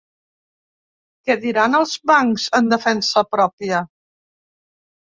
Què diran els bancs en defensa pròpia?